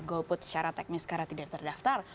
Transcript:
goal put secara teknis karena tidak terdaftar